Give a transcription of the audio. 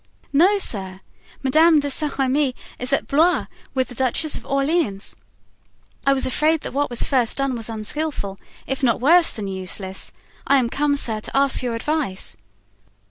"No, sir, Madame de Saint Remy is at Blois with the Duchess of Orleans. I am afraid that what was first done was unskillful, if not worse than useless. I am come, sir, to ask your advice."